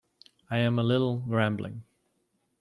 I am a little rambling.